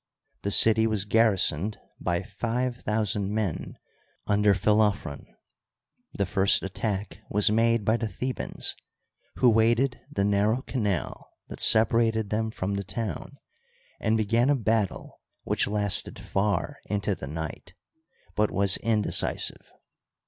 The city was garrisoned by five thousand men under Philophron. The first attack was made by the Thebans, who waded the narrow canal Digitized by VjOOQIC 154 HISTORY OF EGYPT, that separated them from the town, and began a battle which lasted far into the night, but was indecisive.